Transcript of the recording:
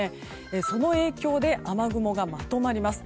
その影響で雨雲がまとまります。